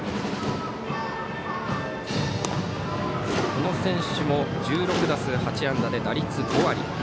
この選手も１６打数８安打で打率５割。